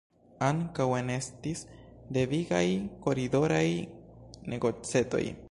Ankaŭ enestis devigaj koridoraj negocetoj.